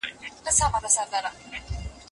باورمن استاد ماشومانو ته د مېوو غوره کول ښووي.